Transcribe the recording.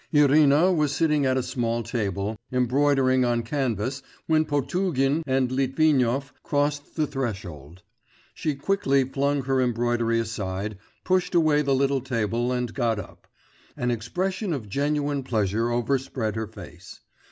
Irina was sitting at a small table, embroidering on canvas when Potugin and Litvinov crossed the threshold. She quickly flung her embroidery aside, pushed away the little table and got up; an expression of genuine pleasure overspread her face.